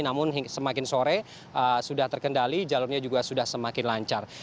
namun semakin sore sudah terkendali jalurnya juga sudah semakin lancar